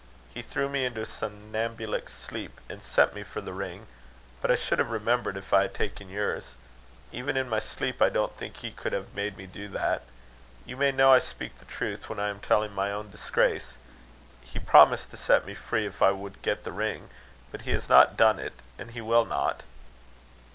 He threw me into a somnambulic sleep, and sent me for the ring. But I should have remembered if I had taken yours. Even in my sleep, I don't think he could have made me do that. You may know I speak the truth, when I am telling my own disgrace. He promised to set me free if I would get the ring; but he has not done it; and he will not."